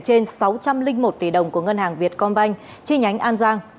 trên sáu trăm linh một tỷ đồng của ngân hàng việt công banh chi nhánh an giang